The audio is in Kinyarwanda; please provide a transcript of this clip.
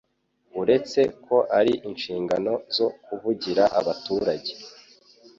uretse ko ari inshingano zo kuvugira abaturage,